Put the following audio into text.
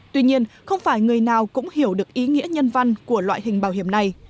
tuy nhiên không phải người nào cũng hiểu được ý nghĩa nhân văn của loại hình bảo hiểm này